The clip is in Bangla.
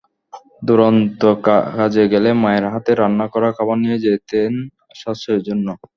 দুরান্তে কাজে গেলে মায়ের হাতে রান্না করা খাবার নিয়ে যেতেন সাশ্রয়ের জন্য।